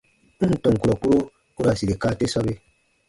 N ǹ tɔn kurɔ kpuro u ra sire kaa te sɔbe.